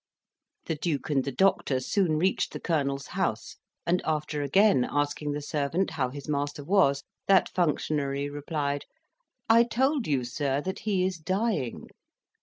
The Duke and the doctor soon reached the colonel's house, and, after again asking the servant how his master was, that functionary replied, "I told you, sir, that he is dying."